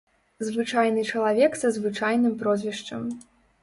Звычайны чалавек са звычайным прозвішчам.